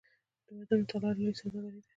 د ودونو تالارونه لویه سوداګري ده